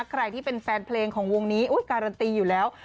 ใครที่เป็นแฟนเพลงของวงนี้การันตีอยู่แล้ว